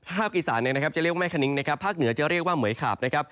ภาพอีสานจะเรียกว่าแม่ขนิ้งภาคเหนือจะเรียกว่าเหมือยขาบ